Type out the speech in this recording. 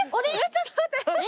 ちょっと待って！